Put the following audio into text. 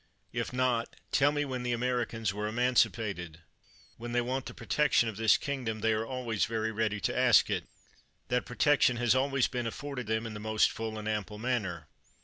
If not, tell me when the Americans were emancipated? When they want the protection of this kingdom, they are always very ready to ask it. That pro tection has always been afforded them in the most full and ample manner.